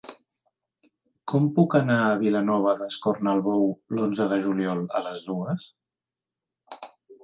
Com puc anar a Vilanova d'Escornalbou l'onze de juliol a les dues?